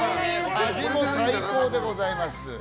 味も最高でございます。